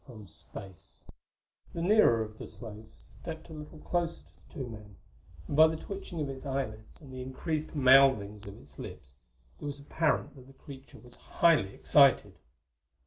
The nearest of the slaves stepped a little closer to the two men, and by the twitching of its eyelids and the increased mouthings of its lips it was apparent that the creature was highly excited.